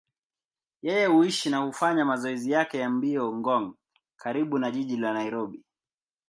Yeye huishi na hufanya mazoezi yake ya mbio Ngong, karibu na jiji la Nairobi.